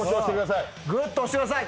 ぐっと押してください。